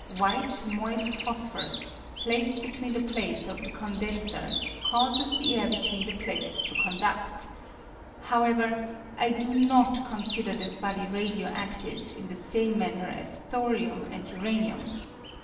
White moist phosphorus, placed between the plates of the condenser, causes the air between the plates to condud. However, I do not consider this body radio adive in the same manner as thorium and uranium.